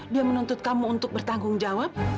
dia menuntut kamu untuk bertanggung jawab